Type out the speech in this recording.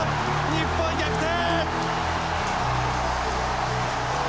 日本逆転！